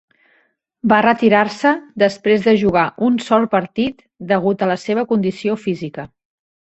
Va retirar-se després de jugar un sol partit degut a la seva condició física.